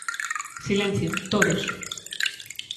Silencio, todos.